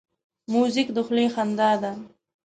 موزیک د خولې خندا ده.